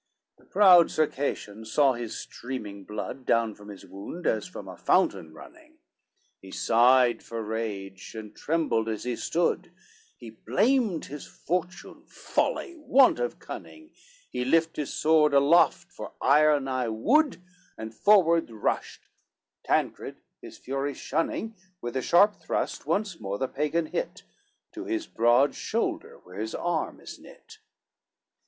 XLIV The proud Circassian saw his streaming blood, Down from his wound, as from a fountain, running, He sighed for rage, and trembled as he stood, He blamed his fortune, folly, want of cunning; He lift his sword aloft, for ire nigh wood, And forward rushed: Tancred his fury shunning, With a sharp thrust once more the Pagan hit, To his broad shoulder where his arm is knit.